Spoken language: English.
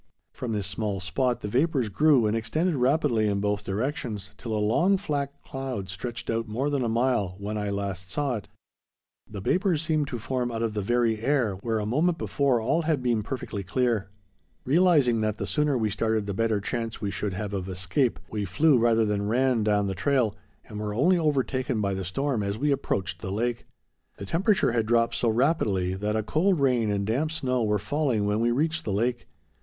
From this small spot the vapors grew and extended rapidly in both directions, till a long, flat cloud stretched out more than a mile, when I last saw it. The vapors seemed to form out of the very air where a moment before all had been perfectly clear. Realizing that the sooner we started the better chance we should have of escape, we flew rather than ran down the trail, and were only overtaken by the storm as we approached the lake. The temperature had dropped so rapidly that a cold rain and damp snow were falling when we reached the lake.